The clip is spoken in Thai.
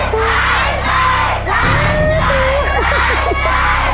ได้